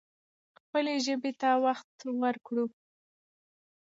خپلې ژبې ته وخت ورکړو.